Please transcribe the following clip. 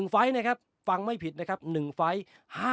ไฟล์นะครับฟังไม่ผิดนะครับ๑ไฟล์